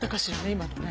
今のね。